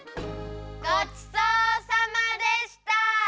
ごちそうさまでした！